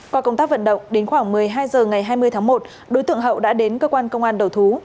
qua công tác vận động đến khoảng một mươi hai h ngày hai mươi tháng một đối tượng hậu đã đến cơ quan công an đầu thú